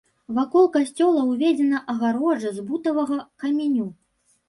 Вакол касцёла ўзведзена агароджа з бутавага каменю.